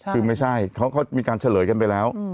คือไม่ใช่เขาก็มีการเฉลยกันไปแล้ว